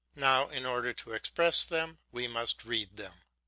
Now in order to express them we must read them.